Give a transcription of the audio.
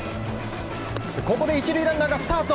ここで１塁ランナーがスタート。